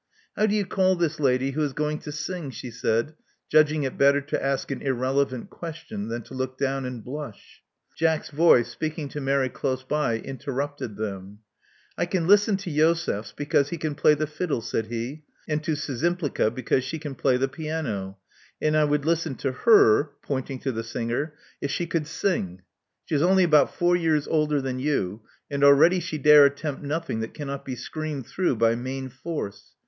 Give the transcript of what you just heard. How do you call this lady who is going to sing?" she said, judging it better to ask an irrelevant question than to look down and blush. Jack's voice, speaking to Mary close by, interrupted them. I can listen to Josefs because he can play the fiddle," said he, and to Szczympliga because she can play the piano; and I would listen to Aer — pointing to the singer — if she could sing. She is only about four years older than you; and already she dare attempt nothing that cannot be screamed through by main force.